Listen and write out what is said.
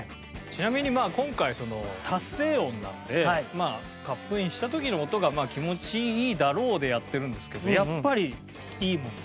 ちなみに今回達成音なんで「カップインした時の音が気持ちいいだろう」でやってるんですけど。